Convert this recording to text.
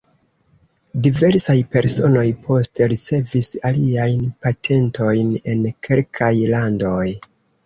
Diversaj personoj poste ricevis aliajn patentojn en kelkaj landoj.